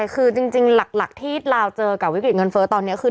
คือจริงหลักที่ลาวเจอกับวิกฤตเงินเฟ้อตอนนี้คือ